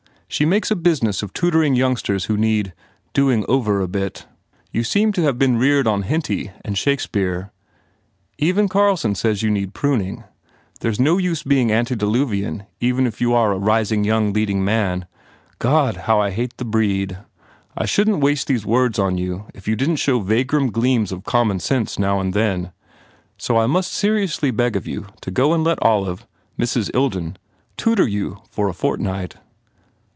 She makes a business of tutoring youngsters who need doing over a bit. You seem to have been reared on Henty and Shakespeare. Even Carlson says you need prun ing. There s no use being antediluvian even if you are a rising young leading man. ... God, how I hate the breed! I shouldn t waste these words on you if you didn t show vagrom gleams of common sense now and then. So I most seriously beg of you to go and let Olive Mrs. Ilden, tutor you for a fortnight."